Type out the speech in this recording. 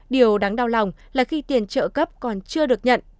điều đáng đau lòng là khi tiền trợ cấp còn chưa được nhận